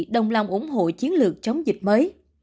đồng lòng ủng hộ chiến lược chống dịch mới